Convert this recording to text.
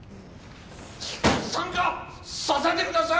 参加させてください！